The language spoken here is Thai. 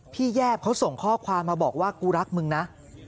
แยบเขาส่งข้อความมาบอกว่ากูรักมึงนะ